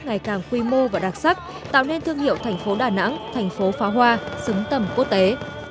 ngày càng quy mô và đặc sắc tạo nên thương hiệu thành phố đà nẵng thành phố phá hoa xứng tầm quốc tế